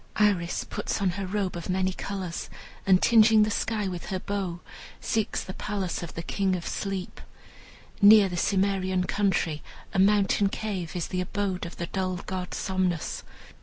Iris puts on her robe of many colors, and tingeing the sky with her bow, seeks the palace of the King of Sleep. Near the Cimmerian country, a mountain cave is the abode of the dull god Somnus.